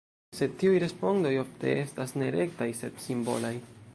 Sed tiuj respondoj ofte estas ne rektaj, sed simbolaj.